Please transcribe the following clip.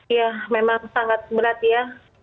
ya memang sangat berat ya